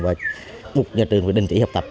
và buộc nhà trường phải đình chỉ học tập